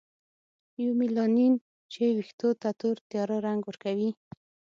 یومیلانین چې ویښتو ته تور تیاره رنګ ورکوي.